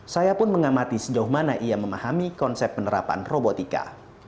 saya pun mengamati sejauh mana ia memahami konsep penerapan robotika